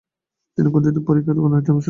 তিনি কথিত “পরিখার গণহত্যায়” অংশ নেন।